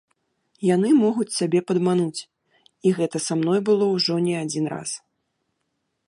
Яны могуць цябе падмануць, і гэта са мной было ўжо не адзін раз.